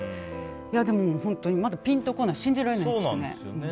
でも、まだピンとこない信じられないですね。